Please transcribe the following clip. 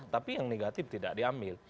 tapi yang negatif tidak diambil